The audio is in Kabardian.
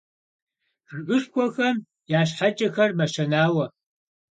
Жыгышхуэхэм я щхьэкӀэхэр мэщэнауэ.